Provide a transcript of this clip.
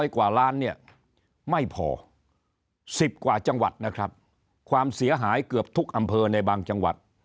กว่าล้านเนี่ยไม่พอ๑๐กว่าจังหวัดนะครับความเสียหายเกือบทุกอำเภอในบางจังหวัด